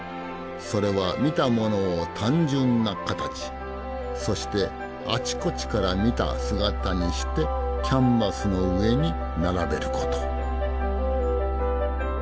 それは見たものを単純な形そしてあちこちから見た姿にしてキャンバスの上に並べること。